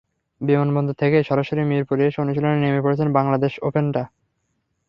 বিমান বন্দর থেকেই সরাসরি মিরপুর এসে অনুশীলনে নেমে পড়েছেন বাংলাদেশ ওপেনার।